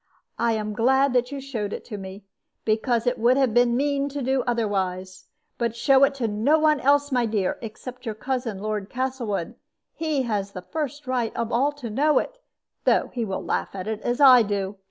I am glad that you showed it to me, because it would have been mean to do otherwise. But show it to no one else, my dear, except your cousin, Lord Castlewood. He has the first right of all to know it, though he will laugh at it as I do.